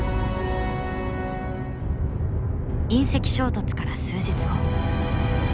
隕石衝突から数日後。